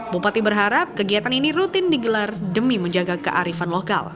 bupati berharap kegiatan ini rutin digelar demi menjaga kearifan lokal